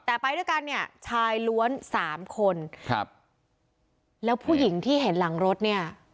แต่ไปด้วยกันเนี่ยชายล้วนสามคนครับแล้วผู้หญิงที่เห็นหลังรถเนี่ย